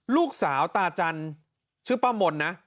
ลูกสาวตาจันทร์ชื่อป้ามนนะ